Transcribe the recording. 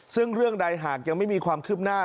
ซึ่งเรื่องใดหากยังไม่มีความคืบหน้า